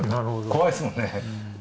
怖いですもんね。